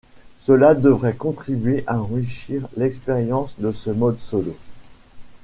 Cela devrait contribuer à enrichir l'expérience de ce mode solo.